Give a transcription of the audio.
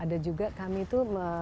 ada juga kami tuh menurut saya